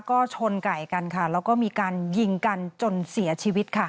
ก็ชนไก่กันค่ะแล้วก็มีการยิงกันจนเสียชีวิตค่ะ